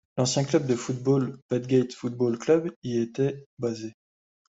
L'ancien club de football Bathgate Football Club y était basé.